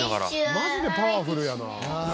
マジでパワフルやな。